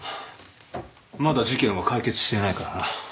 まだ事件は解決していないからな。